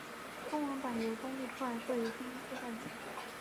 中文版由东立出版社有限公司代理。